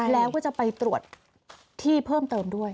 แล้วก็จะไปตรวจที่เพิ่มเติมด้วย